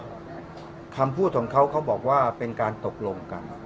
อ๋อขออนุญาตเป็นในเรื่องของการสอบสวนปากคำแพทย์ผู้ที่เกี่ยวข้องให้ชัดแจ้งอีกครั้งหนึ่งนะครับ